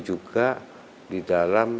juga di dalam